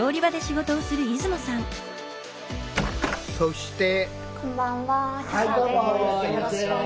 そして。